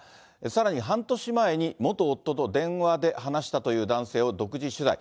さらに、半年前に元夫と電話で話したという男性を独自取材。